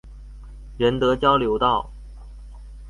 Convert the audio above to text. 仁德交流道